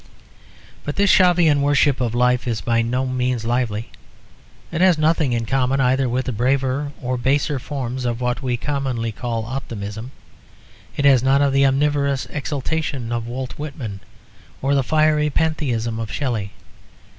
But this Shavian worship of life is by no means lively. It has nothing in common either with the braver or the baser forms of what we commonly call optimism. It has none of the omnivorous exultation of Walt Whitman or the fiery pantheism of Shelley.